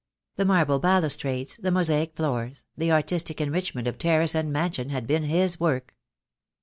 The marble balus trades, the mosaic floors, the artistic enrichment of terrace and mansion had been his work.